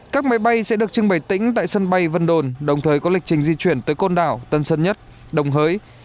các máy bay sẽ được trưng bày tỉnh tại sân bay vân đồn đồng thời có lịch trình di chuyển tới con đảo tân sơn nhất đồng hới